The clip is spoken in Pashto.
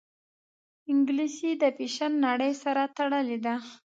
انګلیسي د فیشن نړۍ سره تړلې ده